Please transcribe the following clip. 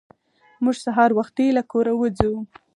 موږ سهار وختي له کوره وځو.